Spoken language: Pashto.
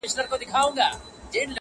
ستا پر تور تندي لیکلي کرښي وايي؛